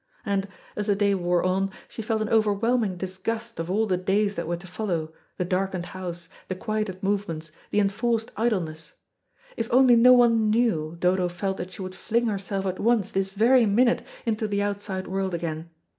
And, as the day wore on, she felt an overwhelming disgust of all the days that were to follow, the darkened house, the quieted movements, the enforced idleness. If only no one knew, Dodo felt that she would fling herself at once, this very minute, into the outside world again.